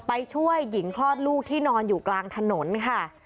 ไปช่วยหญิงคลอดลูกที่นอนอยู่กลางถนนค่ะ